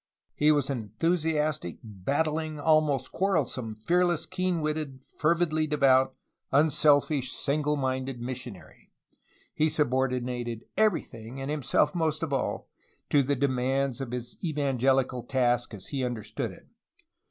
He was an enthusiastic, battUng, almost quarrel some, fearless, keen witted, fervidly devout, unselfish, single minded missionary. He subordinated everything, and 354 :A history of CALIFORNIA himself most of all, to the demands of his evangelical task as he understood it.